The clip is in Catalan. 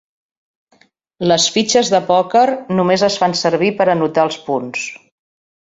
Les fitxes de pòquer només es fan servir per anotar els punts.